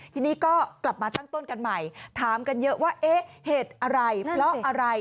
ทีนี้ก็กลับมาตั้งต้นกันใหม่ถามกันเยอะว่าเอ๊ะเหตุอะไรเพราะอะไร